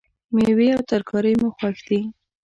میوې او ترکاری مو خوښ دي